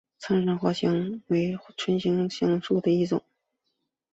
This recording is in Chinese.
苍山香茶菜为唇形科香茶菜属下的一个种。